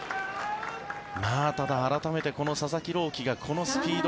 ただ、改めてこの佐々木朗希がこのスピード